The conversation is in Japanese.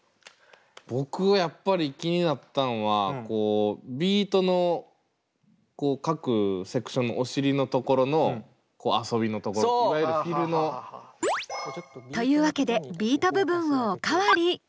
僕はやっぱり気になったんはこうビートの各セクションのお尻のところのこう遊びのところいわゆるフィルの。というわけでビート部分をお代わり。